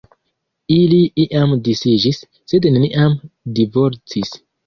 Ili iam disiĝis, sed neniam divorcis.